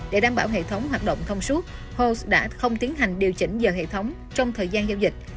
để đảm bảo hệ thống hoạt động thông suốt hos đã không tiến hành điều chỉnh giờ hệ thống trong thời gian giao dịch